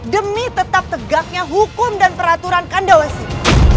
demi tetap tegaknya hukum dan peraturan kandang mesir